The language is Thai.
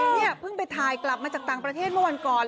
เพิ่งไปไทยกลับมาหัวเวียนก่อน